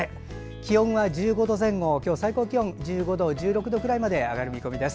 気温は１５度前後今日最高気温１５度、１６度ぐらいまで上がる見込みです。